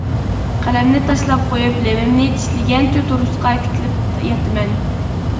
قەلەمنى تاشلاپ قويۇپ لېۋىمنى چىشلىگەنچە تورۇسقا تىكىلىپ ياتىمەن.